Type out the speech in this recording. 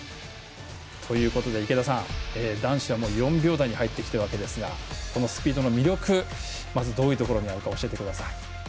池田さん、男子は４秒台に入ってきているわけですがこのスピードの魅力まずどういうところにあるか教えてください。